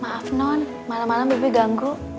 maaf non malam malam bibi ganggu